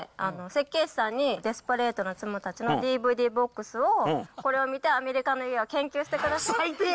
設計士さんにデスパレートな妻たちのＤＶＤボックスを、これを見て、アメリカの家を研究してくださいって。